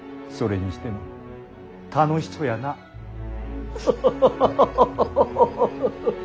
それにしても楽しそうやなあ。